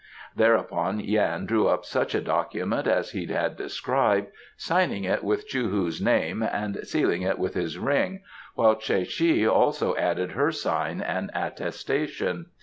Thereupon Yan drew up such a document as he had described, signing it with Chou hu's name and sealing it with his ring, while Tsae che also added her sign and attestation.